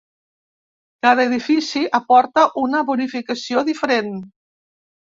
Cada edifici aporta una bonificació diferent.